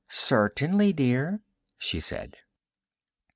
"Certainly, dear," she said.